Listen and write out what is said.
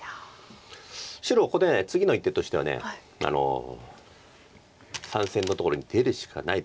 白ここ次の一手としては３線のところに出るしかないです。